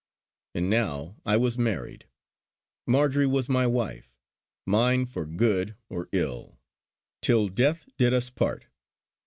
And now I was married. Marjory was my wife; mine for good or ill, till death did us part.